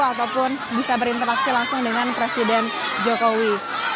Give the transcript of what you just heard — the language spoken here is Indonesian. ataupun bisa berinteraksi langsung dengan presiden jokowi